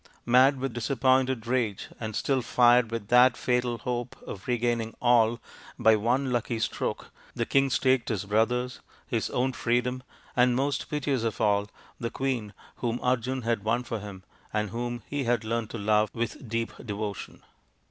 Mad with disappointed rage and still fired with that fatal hope of regaining all by one lucky stroke, the king staked his brothers, his own freedom, and, most piteous loss of all, the queen whom Arjun had won for him, and whom he had learnt to love with deep devotion.